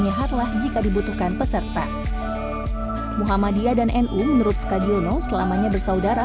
nyahat lah jika dibutuhkan peserta muhammadiyah dan nu menurut sukadiono selamanya bersaudara